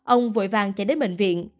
ông vội vàng chạy đến bệnh viện